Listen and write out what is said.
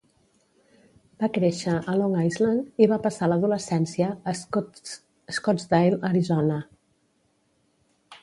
Va créixer a Long Island i va passar l'adolescència a Scottsdale, Arizona.